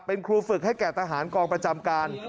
เป็นครูฝึกให้แก่ทหารกองประจำการ